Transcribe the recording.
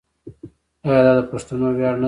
آیا دا د پښتنو ویاړ نه دی؟